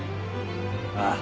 ああ。